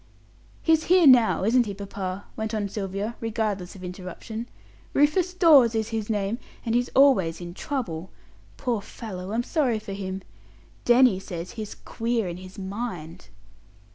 "He's here now, isn't he, papa?" went on Sylvia, regardless of interruption. "Rufus Dawes is his name, and he's always in trouble. Poor fellow, I'm sorry for him. Danny says he's queer in his mind."